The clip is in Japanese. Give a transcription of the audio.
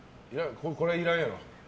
これはいらんやろって。